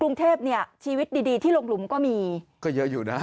กรุงเทพเนี่ยชีวิตดีดีที่ลงหลุมก็มีก็เยอะอยู่นะฮะ